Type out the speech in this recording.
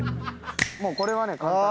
もうこれはね簡単。